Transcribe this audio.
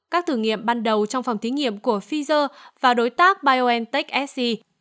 các thử nghiệm ban đầu trong phòng thí nghiệm của pfizer và đối tác biontech sc